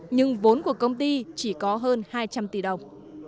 nhưng vốn của công ty chỉ có hơn hai trăm linh tỷ đồng